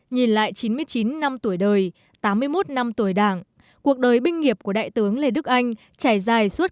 nhìn lại chín mươi chín năm tuổi đời tám mươi một năm tuổi đảng cuộc đời binh nghiệp của đại tướng lê đức anh trải dài suốt